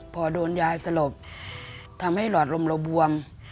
พอโดนยายสลบทำให้หลอดลมเราบวม